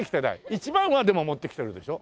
１万はでも持ってきてるでしょ？